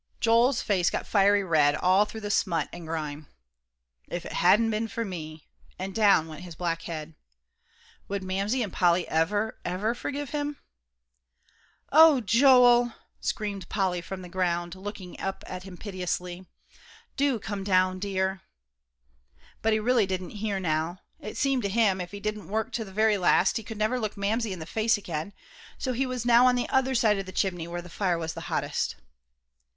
Joel's face got fiery red, all through the smut and grime. "If it hadn't been for me!" and down went his black head. "Would Mamsie and Polly ever, ever forgive him?" "Oh, Joel," screamed Polly from the ground, looking at him piteously, "do come down, dear!" But he really didn't hear now. It seemed to him if he didn't work to the very last, he could never look Mamsie in the face again, so he was now on the other side of the chimney, where the fire was the hottest.